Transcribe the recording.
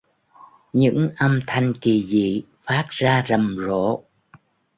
Những âm thanh kỳ dị phát ra rầm rộ